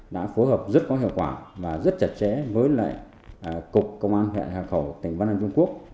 đã phối hợp rất có hiệu quả và rất chặt chẽ với lại cục công an huyện hạ khẩu tỉnh văn nam trung quốc